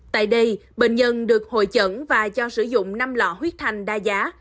tại đây bệnh nhân được hội chẩn và cho sử dụng năm lọ huyết thanh đa giá